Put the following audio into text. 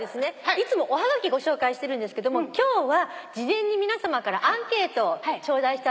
いつもおはがきご紹介してるんですが今日は事前に皆さまからアンケートを頂戴してありますので。